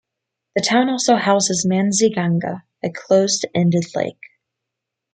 The town also houses Mansi Ganga, a close-ended lake.